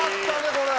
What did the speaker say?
これ。